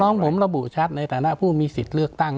น้องผมระบุชัดในฐานะผู้มีสิทธิ์เลือกตั้ง